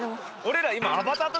俺ら今。